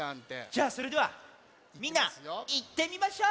じゃあそれではみんないってみましょう！